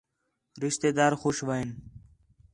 رشتے دار خوش وین